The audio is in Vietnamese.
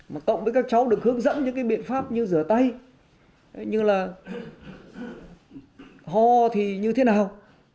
mà cộng với các cháu được hướng dẫn những cái biện pháp như rửa tay như là ho thì như thế nào